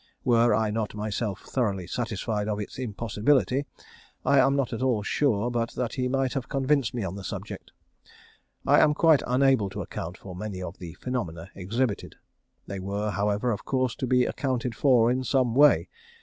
Were I not myself thoroughly satisfied of its impossibility, I am not at all sure but that he might have convinced me on the subject. I am quite unable to account for many of the phenomena exhibited. They were, however, of course, to be accounted for in some way.